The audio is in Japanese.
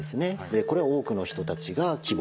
これは多くの人たちが希望します。